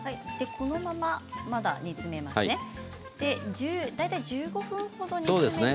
このまままだ煮詰めますね。